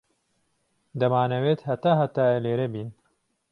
دەمانەوێت هەتا هەتایە لێرە بین.